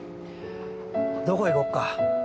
どこ行こっか。